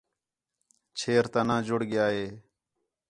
چھیر تا نھاں جڑ ڳیا ہِے